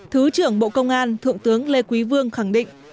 thứ trưởng bộ công an thượng tướng lê quý vương khẳng định